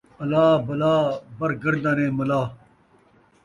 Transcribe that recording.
الا بلا بر گردنِ ملاح